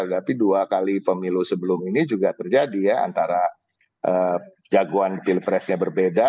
tapi dua kali pemilu sebelum ini juga terjadi ya antara jagoan pilpresnya berbeda